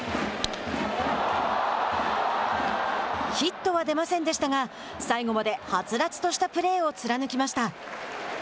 ヒットは出ませんでしたが最後まで、はつらつとしたプレーを貫きました。